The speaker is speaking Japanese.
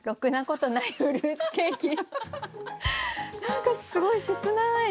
何かすごい切ない。